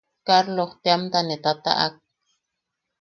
Karloj teamta ne tataʼak.